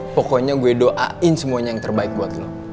pokoknya gue doain semuanya yang terbaik buat lo